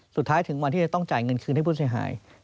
ถึงวันที่จะต้องจ่ายเงินคืนให้ผู้เสียหาย